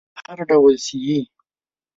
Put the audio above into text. هر ډول چې یې